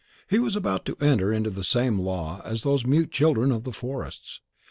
He was about to enter into the same law as those mute children of the forests.